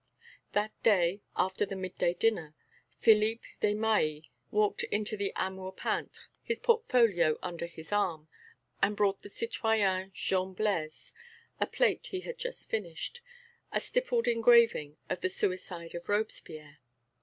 That day, after the midday dinner, Philippe Desmahis walked into the Amour peintre, his portfolio under his arm, and brought the citoyen Jean Blaise a plate he had just finished, a stippled engraving of the Suicide of Robespierre.